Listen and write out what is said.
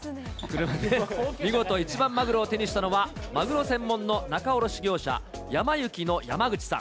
見事、一番マグロを手にしたのは、マグロ専門の仲卸業者、やま幸の山口さん。